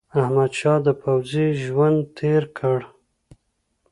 احمدشاه د پوځي ژوند تېر کړ.